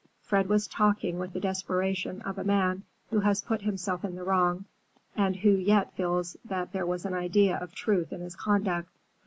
Fred was talking with the desperation of a man who has put himself in the wrong and who yet feels that there was an idea of truth in his conduct.